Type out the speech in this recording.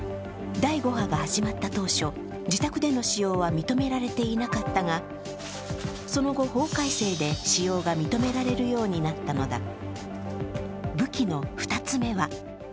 第５波が始まった当初、自宅での使用は認められていなかったが、その後、法改正で使用が認められるようになったのだ。